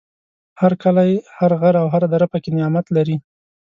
هر کلی، هر غر او هر دره پکې نعمت لري.